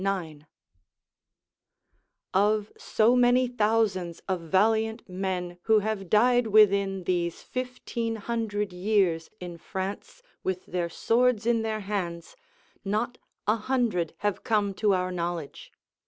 9.] Of so many thousands of valiant men who have died within these fifteen hundred years in France with their swords in their hands, not a hundred have come to our knowledge.